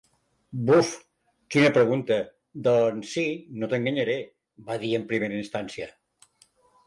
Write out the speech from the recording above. “Buf, quina pregunta… doncs sí, no t’enganyaré”, va dir en primera instància.